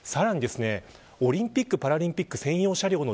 さらにオリンピック・パラリンピック